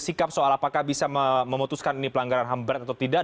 sikap soal apakah bisa memutuskan ini pelanggaran ham berat atau tidak